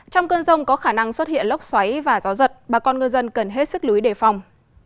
trong cơn rông có khả năng xuất hiện lốc xoáy và gió giật bà con ngư dân cần hết sức lưu ý đề phòng